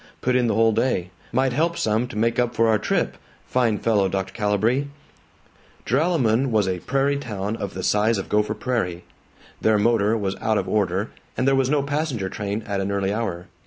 Put in the whole day. Might help some to make up for our trip. Fine fellow, Dr. Calibree." Joralemon was a prairie town of the size of Gopher Prairie. Their motor was out of order, and there was no passenger train at an early hour.